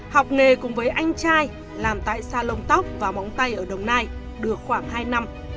học nghề cùng với anh trai làm tại sa lông tóc và móng tay ở đồng nai được khoảng hai năm